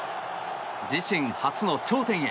自身初の頂点へ。